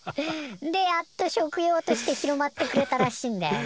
んでやっと食用として広まってくれたらしいんだよね。